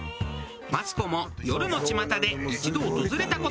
マツコも『夜の巷』で一度訪れた事がある。